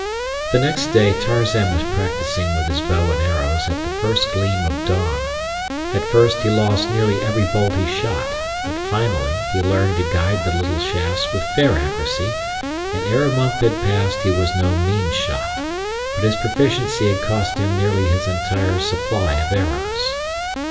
The next day Tarzan was practicing with his bow and arrows at the first gleam of dawn. At first he lost nearly every bolt he shot, but finally he learned to guide the little shafts with fair accuracy, and ere a month had passed he was no mean shot; but his proficiency had cost him nearly his entire supply of arrows.